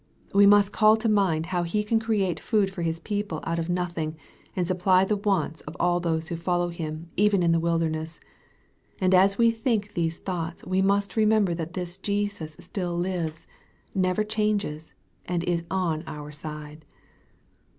We must call to mind how He can create food for His people out of nothing, and supply the wants of those who follow Him, even in the wilderness. And as we think these thoughts, we must remember that this Jesus still lives, never changes, and is on our side.